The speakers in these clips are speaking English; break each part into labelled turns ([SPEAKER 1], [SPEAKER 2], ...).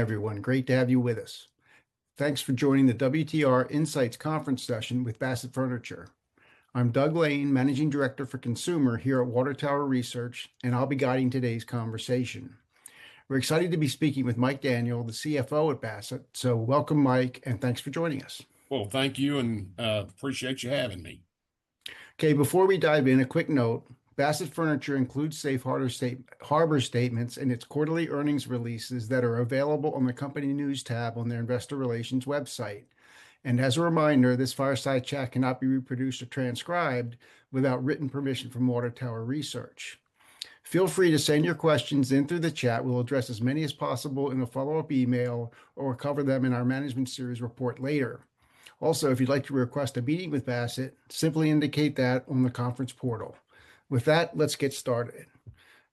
[SPEAKER 1] Everyone, great to have you with us. Thanks for joining the WTR Insights Conference session with Bassett Furniture. I'm Doug Lane, Managing Director for Consumer here at Water Tower Research, and I'll be guiding today's conversation. We're excited to be speaking with Mike Daniel, the CFO at Bassett. Welcome, Mike, and thanks for joining us.
[SPEAKER 2] Well, thank you, and appreciate you having me.
[SPEAKER 1] Before we dive in, a quick note. Bassett Furniture includes safe harbor statements in its quarterly earnings releases that are available on the Company News tab on their investor relations website. As a reminder, this fireside chat cannot be reproduced or transcribed without written permission from Water Tower Research. Feel free to send your questions in through the chat. We'll address as many as possible in a follow-up email or cover them in our Management Series Report later. Also, if you'd like to request a meeting with Bassett, simply indicate that on the conference portal. With that, let's get started.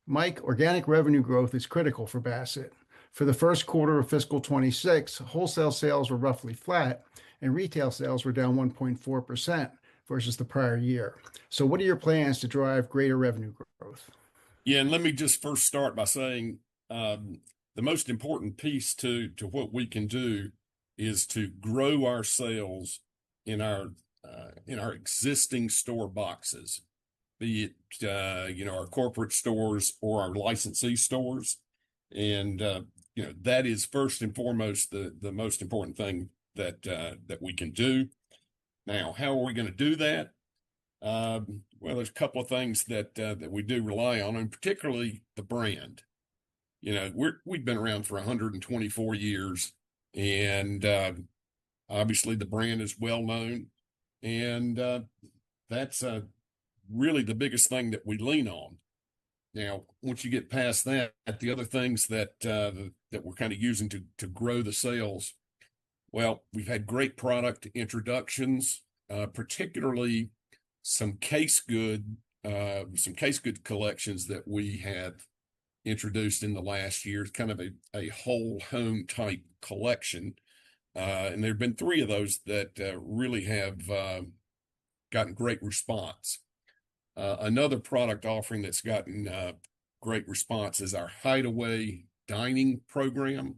[SPEAKER 1] Mike, organic revenue growth is critical for Bassett. For the first quarter of fiscal 2026, wholesale sales were roughly flat, and retail sales were down 1.4% versus the prior year. What are your plans to drive greater revenue growth?
[SPEAKER 2] Yeah, let me just first start by saying the most important piece to what we can do is to grow our sales in our existing store boxes, be it our corporate stores or our licensee stores. That is first and foremost the most important thing that we can do. Now, how are we going to do that? Well, there's a couple of things that we do rely on, and particularly the brand. We've been around for 124 years, and obviously the brand is well-known, and that's really the biggest thing that we lean on. Now, once you get past that, the other things that we're kind of using to grow the sales, well, we've had great product introductions, particularly some casegoods collections that we have introduced in the last year, kind of a whole home type collection. There have been three of those that really have gotten great response. Another product offering that's gotten great response is our HideAway Dining program.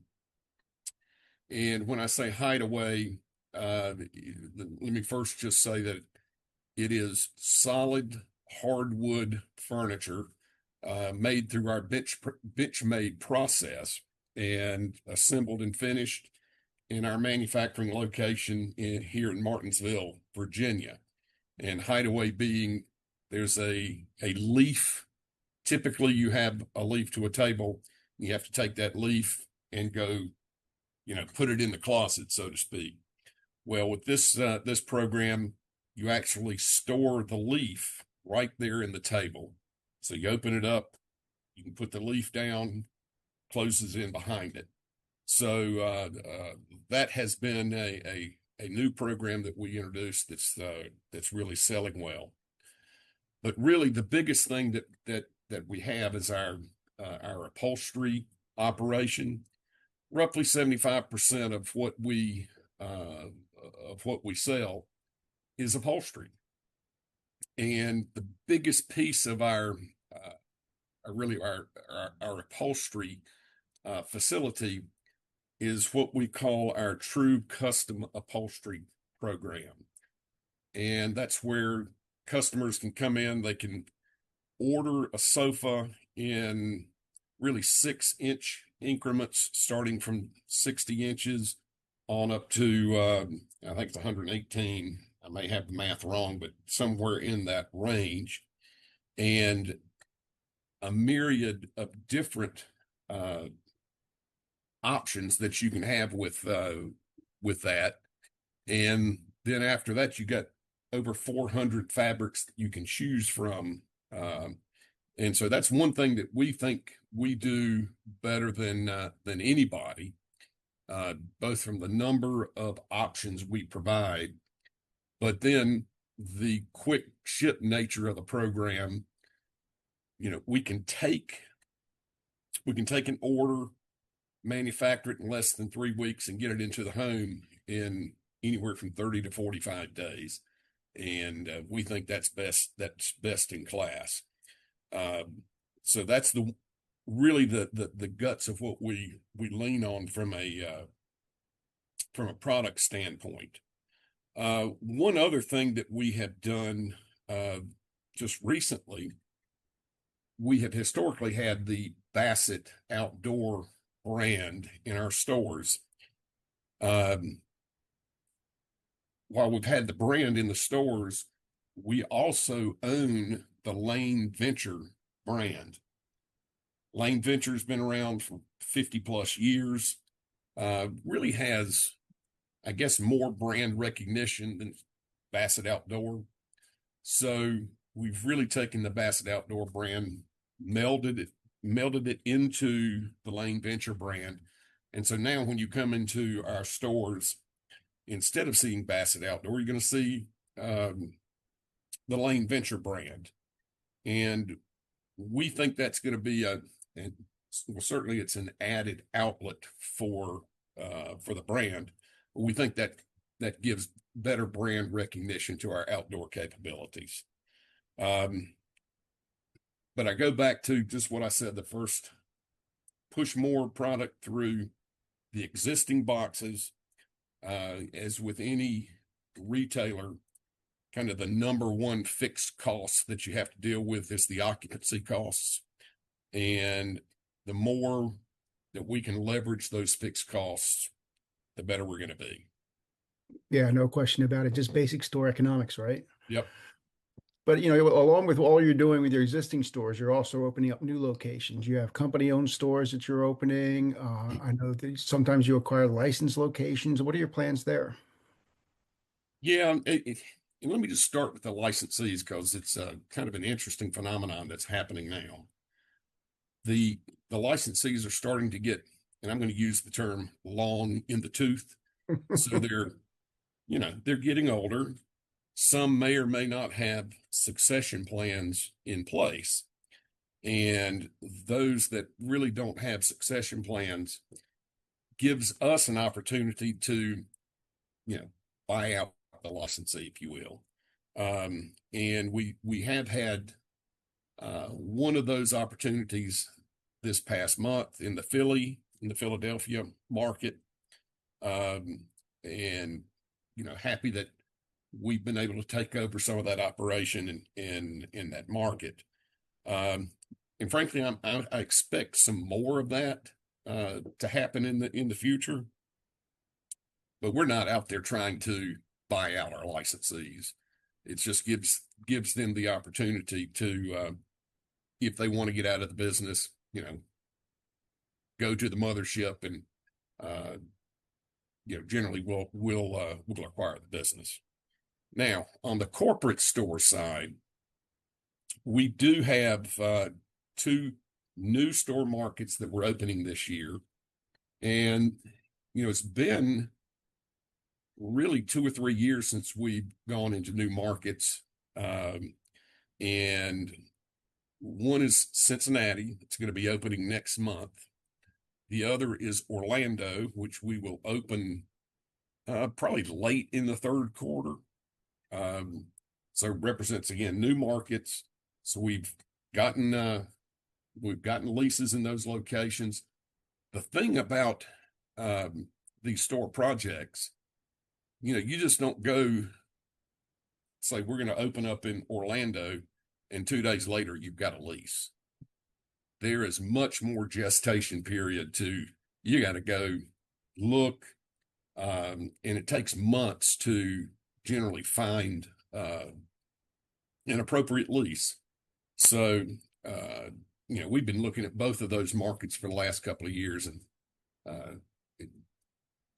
[SPEAKER 2] When I say HideAway, let me first just say that it is solid hardwood furniture made through our BenchMade process and assembled and finished in our manufacturing location here in Martinsville, Virginia. HideAway being there's a leaf, typically you have a leaf to a table, and you have to take that leaf and go put it in the closet, so to speak. Well, with this program, you actually store the leaf right there in the table. You open it up, you can put the leaf down, closes in behind it. That has been a new program that we introduced that's really selling well. Really, the biggest thing that we have is our upholstery operation. Roughly 75% of what we sell is upholstery. The biggest piece of our upholstery facility is what we call our True Custom upholstery program. That's where customers can come in, they can order a sofa in really 6-in increments, starting from 60 in on up to, I think it's 118 in. I may have the math wrong, but somewhere in that range, and a myriad of different options that you can have with that. After that, you got over 400 fabrics that you can choose from. That's one thing that we think we do better than anybody, both from the number of options we provide, but then the quick ship nature of the program. We can take an order, manufacture it in less than three weeks, and get it into the home in anywhere from 30-45 days. We think that's best in class. That's really the guts of what we lean on from a product standpoint. One other thing that we have done just recently, we have historically had the Bassett Outdoor brand in our stores. While we've had the brand in the stores, we also own the Lane Venture brand. Lane Venture's been around for 50+ years, really has, I guess, more brand recognition than Bassett Outdoor. We've really taken the Bassett Outdoor brand, melded it into the Lane Venture brand. Now when you come into our stores, instead of seeing Bassett Outdoor, you're going to see the Lane Venture brand. We think that's going to be, well, certainly it's an added outlet for the brand, but we think that gives better brand recognition to our outdoor capabilities. I go back to just what I said. The first, push more product through the existing boxes. As with any retailer, the number one fixed cost that you have to deal with is the occupancy costs. The more that we can leverage those fixed costs, the better we're going to be.
[SPEAKER 1] Yeah, no question about it. Just basic store economics, right?
[SPEAKER 2] Yep.
[SPEAKER 1] Along with all you're doing with your existing stores, you're also opening up new locations. You have company-owned stores that you're opening. I know that sometimes you acquire licensed locations. What are your plans there?
[SPEAKER 2] Yeah. Let me just start with the licensees, because it's an interesting phenomenon that's happening now. The licensees are starting to get, and I'm going to use the term long in the tooth. They're getting older. Some may or may not have succession plans in place, and those that really don't have succession plans gives us an opportunity to buy out the licensee, if you will. We have had one of those opportunities this past month in the Philadelphia market. Happy that we've been able to take over some of that operation in that market. Frankly, I expect some more of that to happen in the future. We're not out there trying to buy out our licensees. It just gives them the opportunity to, if they want to get out of the business, go to the mothership, and generally, we'll acquire the business. Now, on the corporate store side, we do have two new store markets that we're opening this year. It's been really two or three years since we've gone into new markets. One is Cincinnati. It's going to be opening next month. The other is Orlando, which we will open probably late in the third quarter, represents, again, new markets. We've gotten leases in those locations. The thing about these store projects, you just don't go say, "We're going to open up in Orlando," and two days later, you've got a lease. There is much more gestation period. You got to go look, and it takes months to generally find an appropriate lease. We've been looking at both of those markets for the last couple of years and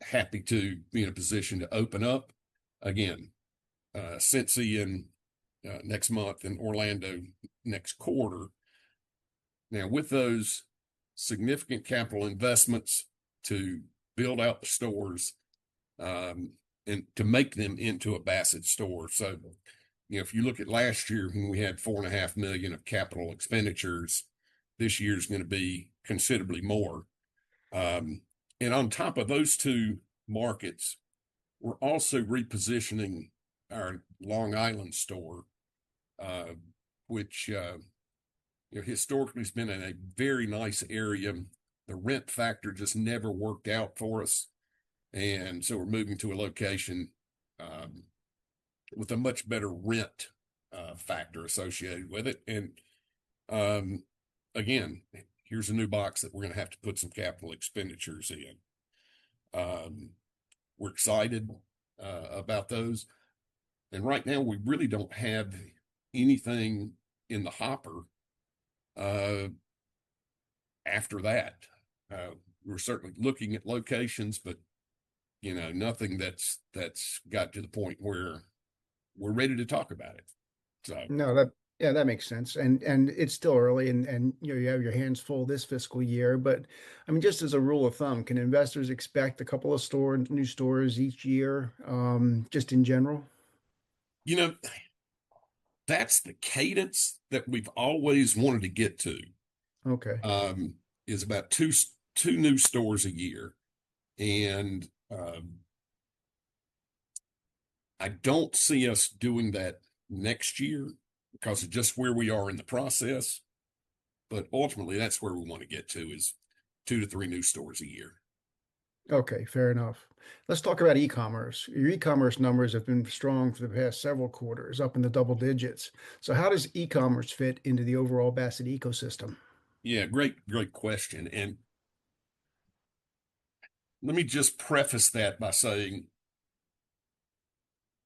[SPEAKER 2] happy to be in a position to open up, again, Cincy in next month and Orlando next quarter. Now, with those significant capital investments to build out the stores and to make them into a Bassett store, if you look at last year when we had $4.5 million of capital expenditures, this year's going to be considerably more. On top of those two markets, we're also repositioning our Long Island store, which historically has been in a very nice area. The rent factor just never worked out for us, and so we're moving to a location with a much better rent factor associated with it. Again, here's a new box that we're going to have to put some capital expenditures in. We're excited about those. Right now, we really don't have anything in the hopper after that. We're certainly looking at locations, but nothing that's got to the point where we're ready to talk about it.
[SPEAKER 1] No, that makes sense. It's still early, and you have your hands full this fiscal year. Just as a rule of thumb, can investors expect a couple of new stores each year, just in general?
[SPEAKER 2] That's the cadence that we've always wanted to get to.
[SPEAKER 1] Okay.
[SPEAKER 2] Is about two new stores a year. I don't see us doing that next year because of just where we are in the process. Ultimately, that's where we want to get to, is two to three new stores a year.
[SPEAKER 1] Okay, fair enough. Let's talk about e-commerce. Your e-commerce numbers have been strong for the past several quarters, up in the double digits. How does e-commerce fit into the overall Bassett ecosystem?
[SPEAKER 2] Yeah, great question. Let me just preface that by saying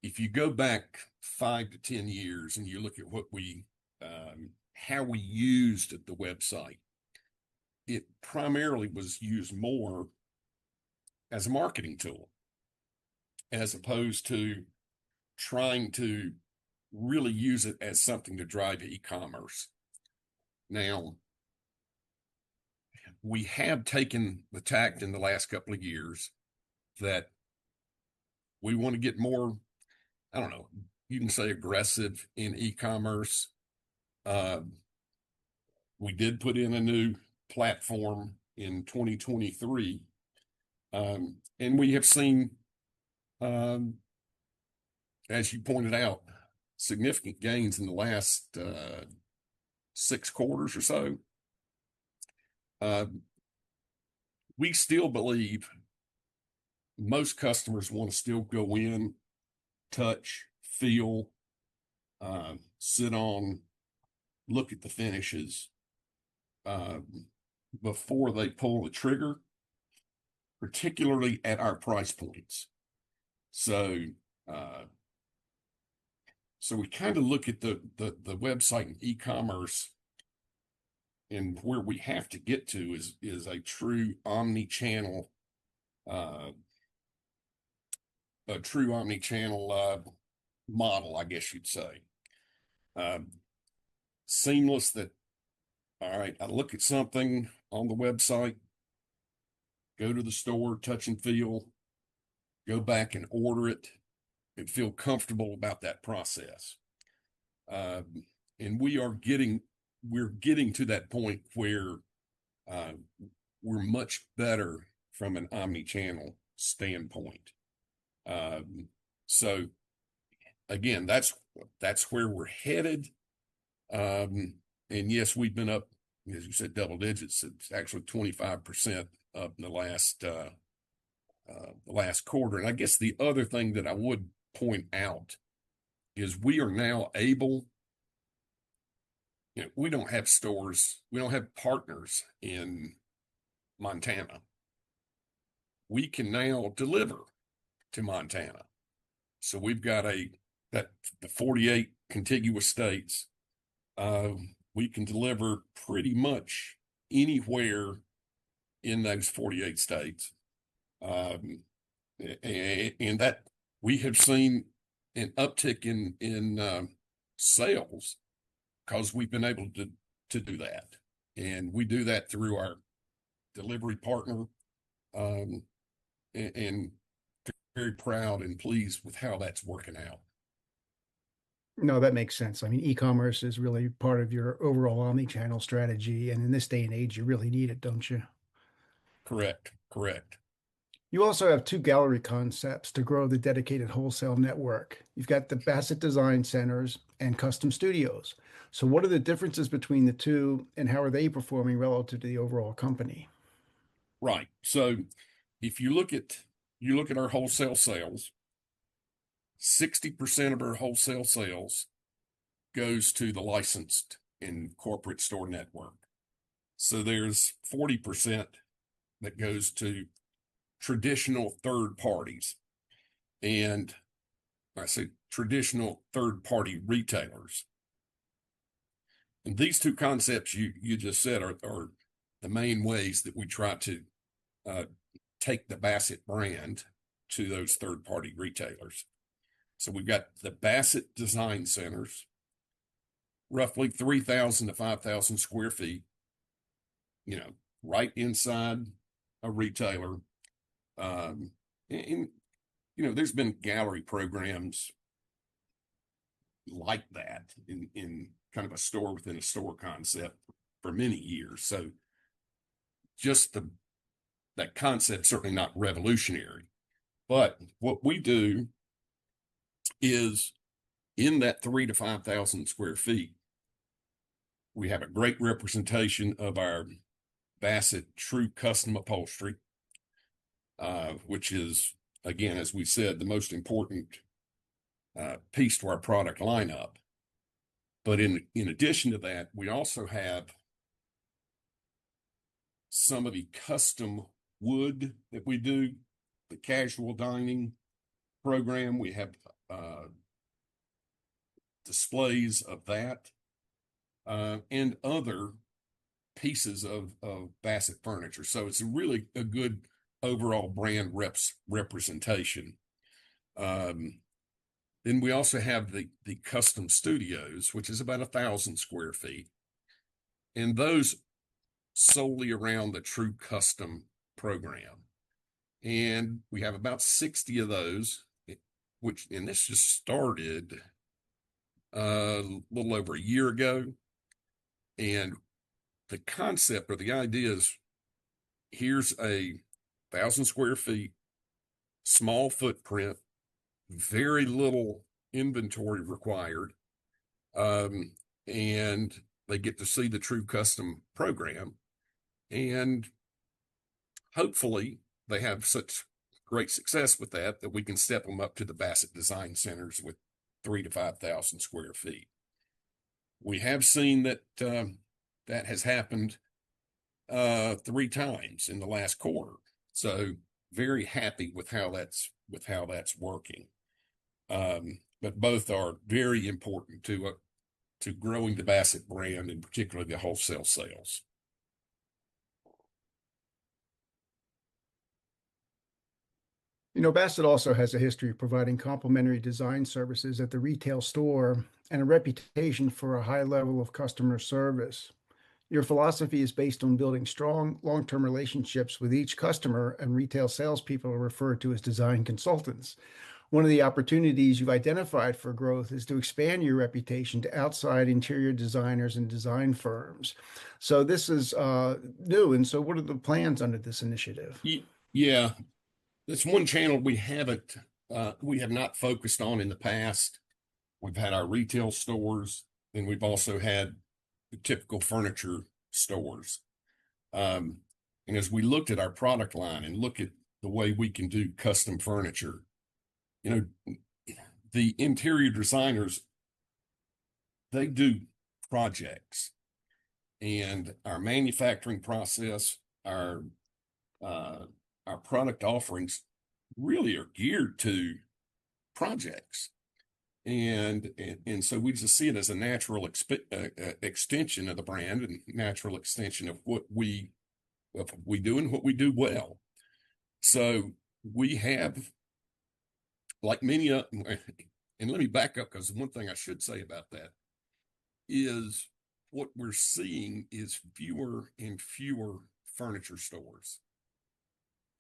[SPEAKER 2] if you go back five to 10 years, and you look at how we used the website, it primarily was used more as a marketing tool as opposed to trying to really use it as something to drive e-commerce. Now, we have taken the tack in the last couple of years that we want to get more, I don't know, you can say aggressive in e-commerce. We did put in a new platform in 2023. We have seen, as you pointed out, significant gains in the last six quarters or so. We still believe most customers want to still go in, touch, feel, sit on, look at the finishes before they pull the trigger, particularly at our price points. We look at the website and e-commerce and where we have to get to is a true omni-channel model, I guess you'd say. Seamless that, all right, I look at something on the website, go to the store, touch and feel, go back and order it, and feel comfortable about that process. We're getting to that point where we're much better from an omni-channel standpoint. Again, that's where we're headed. Yes, we've been up, as you said, double digits. It's actually 25% up in the last quarter. I guess the other thing that I would point out is we don't have stores, we don't have partners in Montana. We can now deliver to Montana. We've got the 48 contiguous states. We can deliver pretty much anywhere in those 48 states. We have seen an uptick in sales because we've been able to do that, and we do that through our delivery partner, and very proud and pleased with how that's working out.
[SPEAKER 1] No, that makes sense. E-commerce is really part of your overall omni-channel strategy, and in this day and age, you really need it, don't you?
[SPEAKER 2] Correct.
[SPEAKER 1] You also have two gallery concepts to grow the dedicated wholesale network. You've got the Bassett Design Centers and Custom Studios. What are the differences between the two, and how are they performing relative to the overall company?
[SPEAKER 2] Right. If you look at our wholesale sales, 60% of our wholesale sales goes to the licensed and corporate store network. There's 40% that goes to traditional third parties, and I say traditional third-party retailers. These two concepts you just said are the main ways that we try to take the Bassett brand to those third-party retailers. We've got the Bassett Design Centers, roughly 3,000 sq ft-5,000 sq ft, right inside a retailer. There's been gallery programs like that in a store-within-a-store concept for many years. That concept's certainly not revolutionary, but what we do is in that 3,000 sq ft-5,000 sq ft, we have a great representation of our Bassett True Custom upholstery, which is, again, as we said, the most important piece to our product lineup. In addition to that, we also have some of the custom wood that we do, the casual dining program. We have displays of that, and other pieces of Bassett Furniture. It's really a good overall brand representation. We also have the Custom Studios, which is about 1,000 sq ft, and those solely around the True Custom program. We have about 60 of those, and this just started a little over a year ago. The concept or the idea is, here's 1,000 sq ft, small footprint, very little inventory required, and they get to see the True Custom program. Hopefully, they have such great success with that we can step them up to the Bassett Design Centers with 3,000 sq ft-5,000 sq ft. We have seen that that has happened three times in the last quarter, so very happy with how that's working. Both are very important to growing the Bassett brand and particularly the wholesale sales.
[SPEAKER 1] Bassett also has a history of providing complimentary design services at the retail store and a reputation for a high level of customer service. Your philosophy is based on building strong long-term relationships with each customer, and retail salespeople are referred to as design consultants. One of the opportunities you've identified for growth is to expand your reputation to outside interior designers and design firms. This is new, and so what are the plans under this initiative?
[SPEAKER 2] Yeah, that's one channel we have not focused on in the past. We've had our retail stores, and we've also had the typical furniture stores. As we looked at our product line and looked at the way we can do custom furniture, the interior designers, they do projects, and our manufacturing process, our product offerings really are geared to projects. We just see it as a natural extension of the brand and natural extension of what we do and what we do well. Let me back up, because one thing I should say about that is what we're seeing is fewer and fewer furniture stores.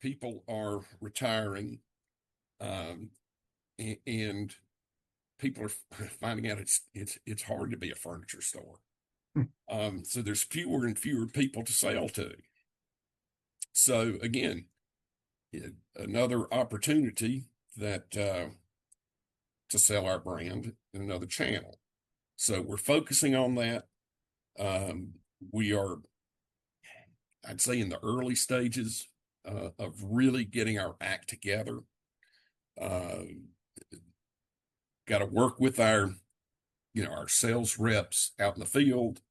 [SPEAKER 2] People are retiring, and people are finding out it's hard to be a furniture store.
[SPEAKER 1] Hmm.
[SPEAKER 2] There's fewer and fewer people to sell to. Again, another opportunity to sell our brand in another channel. We're focusing on that. We are, I'd say, in the early stages of really getting our act together. Got to work with our sales reps out in the field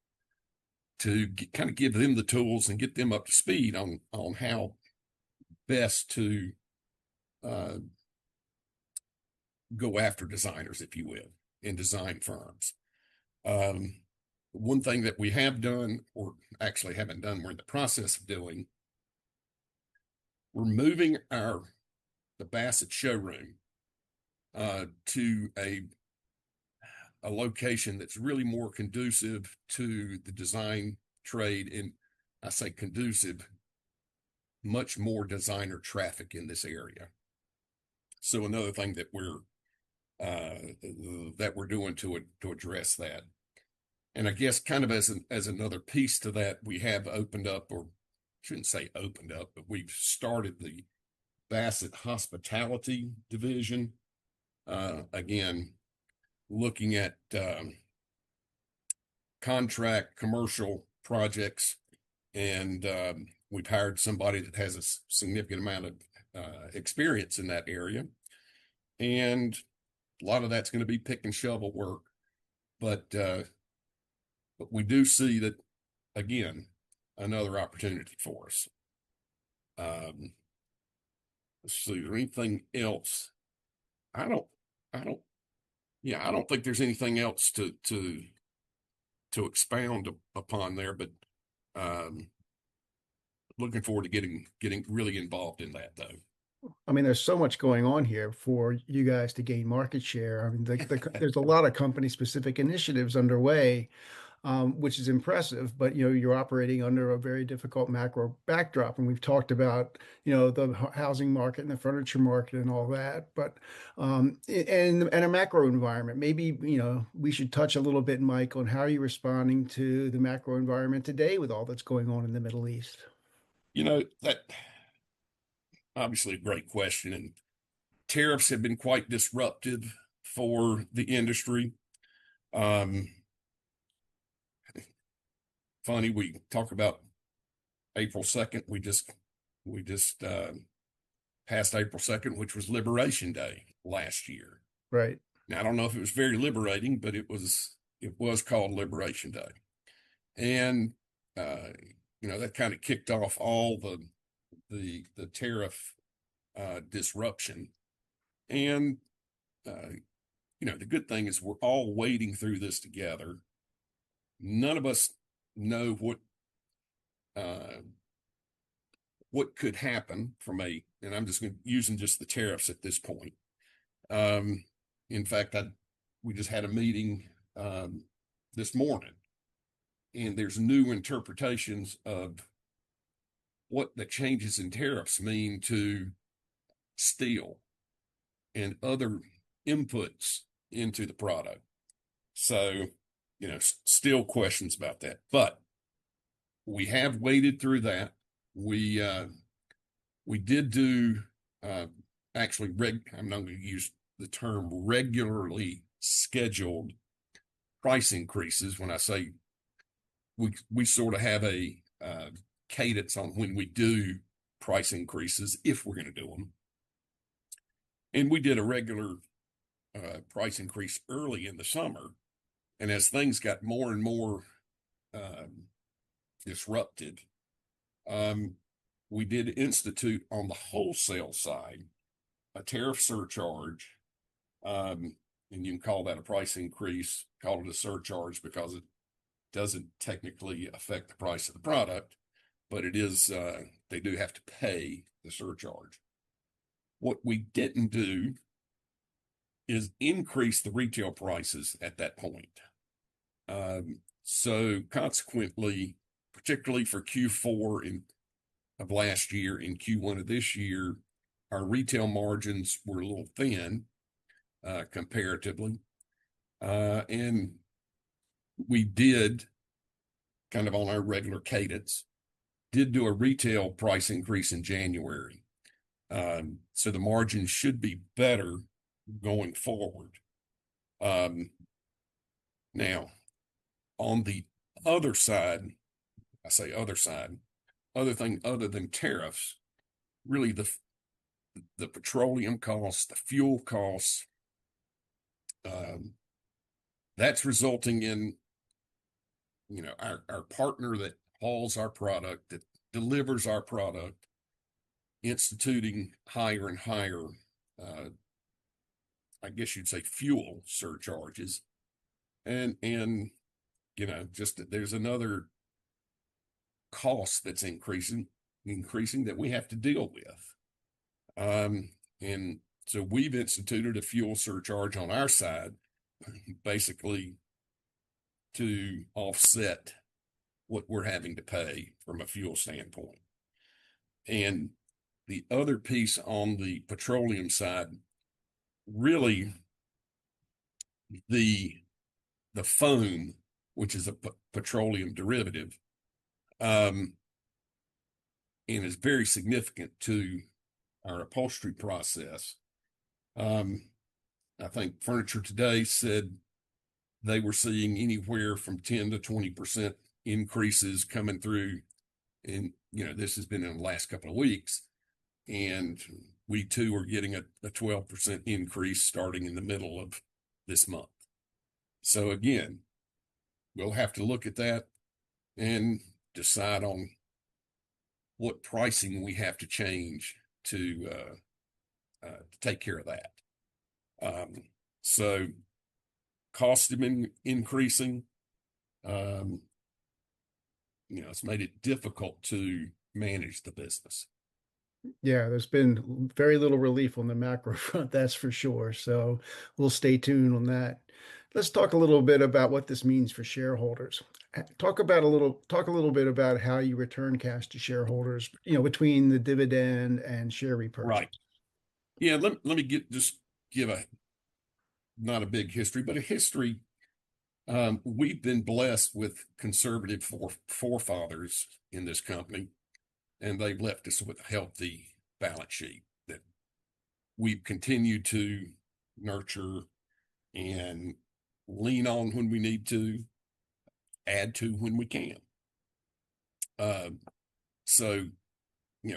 [SPEAKER 2] to give them the tools and get them up to speed on how best to go after designers, if you will, and design firms. One thing that we have done or actually haven't done, we're in the process of doing, we're moving out the Bassett showroom to a location that's really more conducive to the design trade, I say conducive, much more designer traffic in this area. Another thing that we're doing to address that. I guess, kind of, as another piece to that, we have opened up, or shouldn't say opened up, but we've started the Bassett Hospitality division, again, looking at contract commercial projects, and we've hired somebody that has a significant amount of experience in that area. A lot of that's going to be pick and shovel work. We do see that, again, another opportunity for us. Let's see, is there anything else? I don't think there's anything else to expound upon there, but looking forward to getting really involved in that, though.
[SPEAKER 1] There's so much going on here for you guys to gain market share. There's a lot of company-specific initiatives underway, which is impressive, but you're operating under a very difficult macro backdrop. We've talked about the housing market and the furniture market and all that, and a macro environment. Maybe we should touch a little bit, Mike, on how you're responding to the macro environment today with all that's going on in the Middle East.
[SPEAKER 2] That's obviously a great question. Tariffs have been quite disruptive for the industry. Funny, we talk about April 2nd. We just passed April 2nd, which was Liberation Day last year.
[SPEAKER 1] Right
[SPEAKER 2] Now, I don't know if it was very liberating, but it was called Liberation Day. That kicked off all the tariff disruption. The good thing is we're all wading through this together. None of us know what could happen. I'm just using the tariffs at this point. In fact, we just had a meeting this morning, and there's new interpretations of what the changes in tariffs mean to steel and other inputs into the product. So, still questions about that. We have waded through that. Actually, I'm not going to use the term regularly scheduled price increases when I say we sort of have a cadence on when we do price increases if we're going to do them. We did a regular price increase early in the summer, and as things got more and more disrupted, we did institute on the wholesale side a tariff surcharge. You can call that a price increase, call it a surcharge because it doesn't technically affect the price of the product, but they do have to pay the surcharge. What we didn't do is increase the retail prices at that point. Consequently, particularly for Q4 of last year and Q1 of this year, our retail margins were a little thin comparatively. We did, kind of, on our regular cadence, did do a retail price increase in January. The margins should be better going forward. Now, on the other side, other than tariffs, really the petroleum costs, the fuel costs, that's resulting in our partner that hauls our product, that delivers our product, instituting higher and higher, I guess you'd say, fuel surcharges. There's another cost that's increasing that we have to deal with. We've instituted a fuel surcharge on our side, basically to offset what we're having to pay from a fuel standpoint. The other piece on the petroleum side, really, the foam, which is a petroleum derivative, and is very significant to our upholstery process. I think Furniture Today said they were seeing anywhere from 10%-20% increases coming through, and this has been in the last couple of weeks. We, too, are getting a 12% increase starting in the middle of this month. Again, we'll have to look at that and decide on what pricing we have to change to take care of that. Costs have been increasing. It's made it difficult to manage the business.
[SPEAKER 1] Yeah. There's been very little relief on the macro front, that's for sure. We'll stay tuned on that. Let's talk a little bit about what this means for shareholders. Talk a little bit about how you return cash to shareholders, between the dividend and share repurchase.
[SPEAKER 2] Right. Yeah. Let me just give a, not a big history, but a history. We've been blessed with conservative forefathers in this company, and they've left us with a healthy balance sheet that we've continued to nurture and lean on when we need to, add to when we can.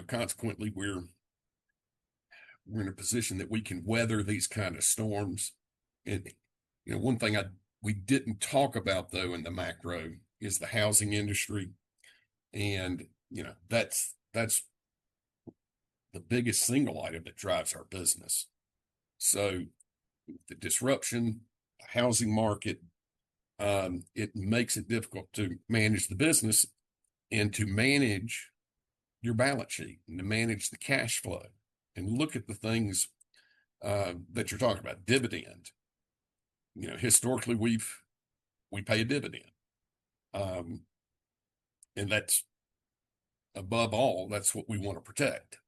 [SPEAKER 2] Consequently, we're in a position that we can weather these kind of storms. One thing we didn't talk about, though, in the macro is the housing industry, and that's the biggest single item that drives our business. The disruption, the housing market, it makes it difficult to manage the business and to manage your balance sheet, and to manage the cash flow, and look at the things that you're talking about. Dividend, historically we pay a dividend. Above all, that's what we want to protect.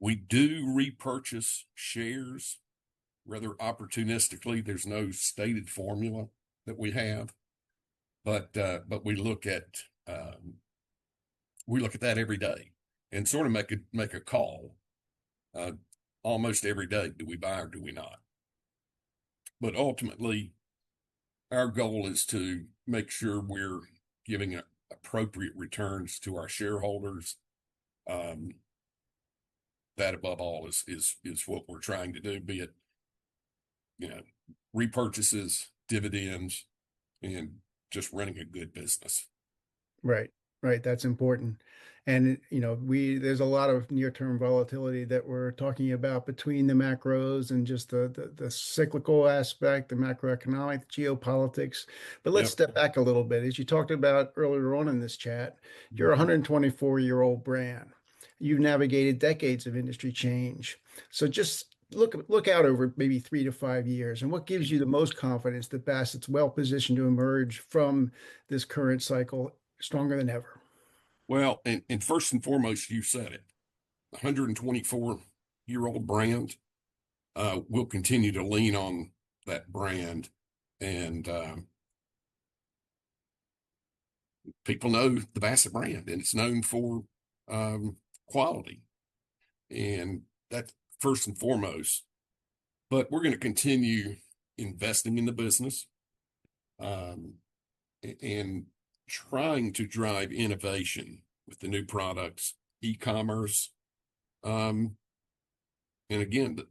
[SPEAKER 2] We do repurchase shares rather opportunistically. There's no stated formula that we have, but we look at that every day and sort of make a call almost every day. Do we buy or do we not? Ultimately, our goal is to make sure we're giving appropriate returns to our shareholders. That above all is what we're trying to do, be it repurchases, dividends, and just running a good business.
[SPEAKER 1] Right. That's important. There's a lot of near-term volatility that we're talking about between the macros and just the cyclical aspect, the macroeconomic, the geopolitics.
[SPEAKER 2] Yeah.
[SPEAKER 1] Let's step back a little bit. As you talked about earlier on in this chat, you're a 124-year-old brand. You've navigated decades of industry change. Just look out over maybe three to five years, and what gives you the most confidence that Bassett's well-positioned to emerge from this current cycle stronger than ever?
[SPEAKER 2] Well, first and foremost, you said it, 124-year-old brand. We'll continue to lean on that brand, and people know the Bassett brand, and it's known for quality, and that's first and foremost. We're going to continue investing in the business, and trying to drive innovation with the new products, e-commerce. Again,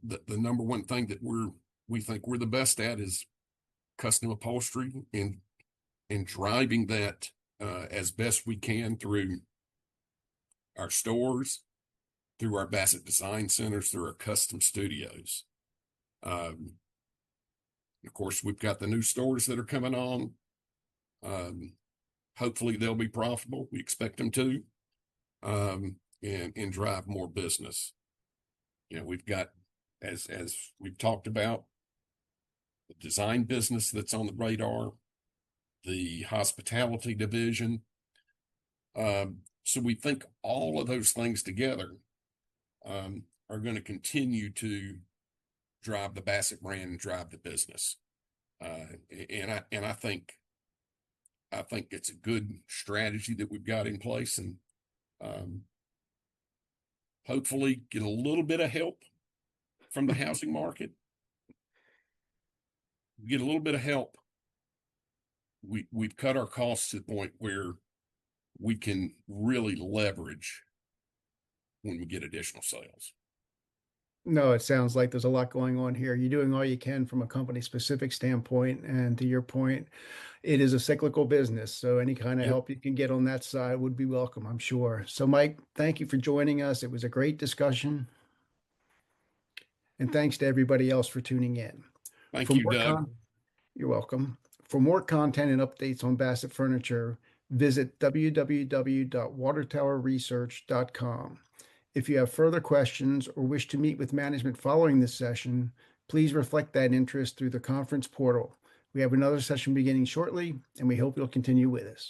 [SPEAKER 2] the number one thing that we think we're the best at is custom upholstery and driving that as best we can through our stores, through our Bassett Design Centers, through our Custom Studios. Of course, we've got the new stores that are coming on. Hopefully, they'll be profitable. We expect them to and drive more business. We've got, as we've talked about, the design business that's on the radar, the Hospitality division. We think all of those things together are going to continue to drive the Bassett brand and drive the business. I think it's a good strategy that we've got in place, and hopefully, get a little bit of help from the housing market. We get a little bit of help. We've cut our costs to the point where we can really leverage when we get additional sales.
[SPEAKER 1] No, it sounds like there's a lot going on here. You're doing all you can from a company-specific standpoint, and to your point, it is a cyclical business.
[SPEAKER 2] Yeah.
[SPEAKER 1] Any kind of help you can get on that side would be welcome, I'm sure. Mike, thank you for joining us. It was a great discussion. Thanks to everybody else for tuning in.
[SPEAKER 2] Thank you, Doug.
[SPEAKER 1] You're welcome. For more content and updates on Bassett Furniture, visit www.watertowerresearch.com. If you have further questions or wish to meet with management following this session, please reflect that interest through the conference portal. We have another session beginning shortly, and we hope you'll continue with us.